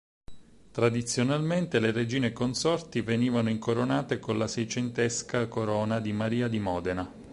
Tradizionalmente le regine consorti venivano incoronate con la seicentesca corona di Maria di Modena.